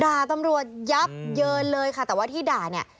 ด่าตำรวจยับเยอะเลยค่ะ